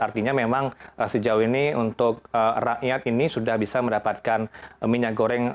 artinya memang sejauh ini untuk rakyat ini sudah bisa mendapatkan minyak goreng